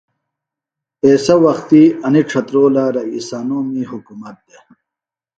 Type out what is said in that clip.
ایسےۡ وختی انیۡ ڇھترولہ رئیسانومی حُکومت دےۡ